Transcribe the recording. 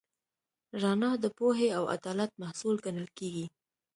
رڼا د پوهې او عدالت محصول ګڼل کېږي.